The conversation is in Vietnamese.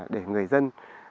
để người dân